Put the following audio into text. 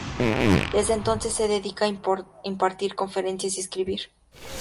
Desde entonces se dedica a impartir conferencias y escribir.